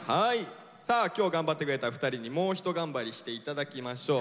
さあ今日頑張ってくれた２人にもうひと頑張りしていただきましょう。